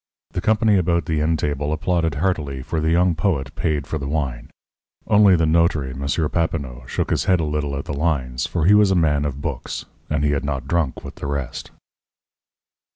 The company about the inn table applauded heartily, for the young poet paid for the wine. Only the notary, M. Papineau, shook his head a little at the lines, for he was a man of books, and he had not drunk with the rest.